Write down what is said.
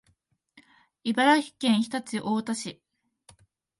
茨城県常陸太田市